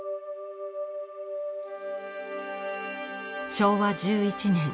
昭和１１年。